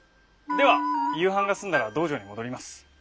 では夕飯が済んだら道場に戻ります。